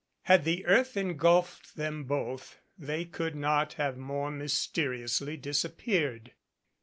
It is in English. Had the earth engulfed them both they could not have more mysteriously disappeared.